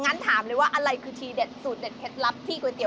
งั้นถามเลยว่าอะไรคือทีเด็ดสูตรเด็ดเคล็ดลับที่ก๋วยเตี๋